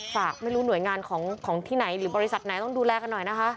ไม่รู้หน่วยงานของที่ไหนหรือบริษัทไหนต้องดูแลกันหน่อยนะคะ